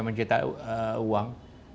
bank indonesia mencari uang